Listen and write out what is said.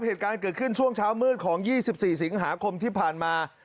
เหตุการณ์เกิดขึ้นช่วงเช้ามืดของ๒๔สิงหาคมที่ผ่านมา